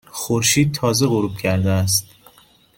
خورشید تازه غروب کرده است.